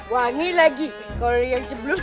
wangi lagi kalo yang sebelumnya